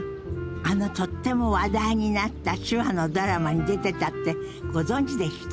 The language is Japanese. あのとっても話題になった手話のドラマに出てたってご存じでした？